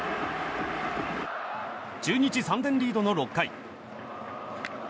中日３点リードの６回。